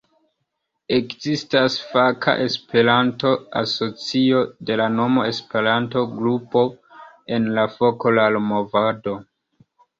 Ekzistas faka Esperanto-asocio de la nomo Esperanto-grupo en la Fokolar-Movado.